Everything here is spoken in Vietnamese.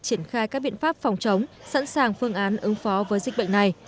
triển khai các biện pháp phòng chống sẵn sàng phương án ứng phó với dịch bệnh này